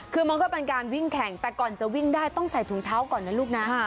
คือมันก็เป็นการวิ่งแข่งแต่ก่อนจะวิ่งได้ต้องใส่ถุงเท้าก่อนนะลูกนะ